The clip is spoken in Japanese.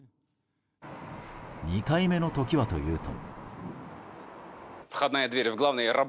２回目の時はというと。